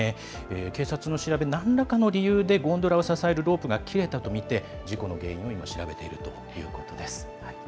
警察の調べによると何らかの理由でゴンドラを支えるロープが切れたということで事故の原因を今調べているということです。